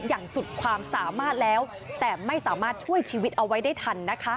อย่างสุดความสามารถแล้วแต่ไม่สามารถช่วยชีวิตเอาไว้ได้ทันนะคะ